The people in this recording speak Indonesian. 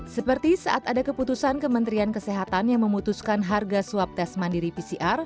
seperti saat ada keputusan kementerian kesehatan yang memutuskan harga swab tes mandiri pcr